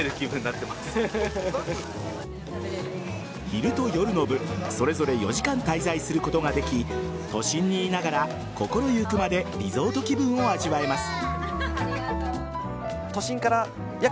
昼と夜の部、それぞれ４時間滞在することができ都心にいながら、心ゆくまでリゾート気分を味わえます。